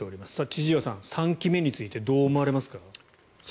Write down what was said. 千々岩さん、３期目についてどう思われますか。